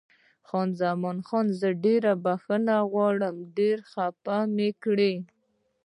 خان زمان: زه ډېره بښنه غواړم، ډېر مې خفه کړې.